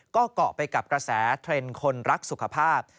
ก็เกาะไปกับกระแสเทรนด์คนรักสุขภาพ